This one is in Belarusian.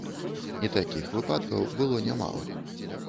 І такіх выпадкаў было нямала.